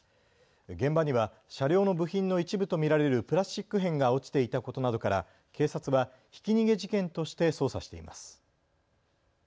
現場には車両の部品の一部と見られるプラスチック片が落ちていたことなどから警察はひき逃げ事件として捜査しています。